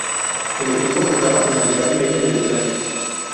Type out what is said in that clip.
El equipo jugaba en la Liga Premier de Ucrania.